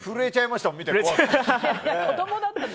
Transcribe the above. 震えちゃいましたもん。